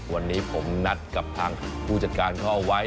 วันนี้ผมนัดกับทางผู้จัดการเขาเอาไว้